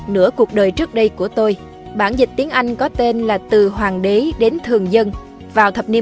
nửa cuộc đời trước đây của tôi bản dịch tiếng anh có tên là từ hoàng đế đến thường dân vào thập niên một nghìn chín trăm sáu mươi